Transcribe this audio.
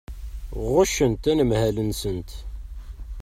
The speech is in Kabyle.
Ɣuccent anemhal-nsent.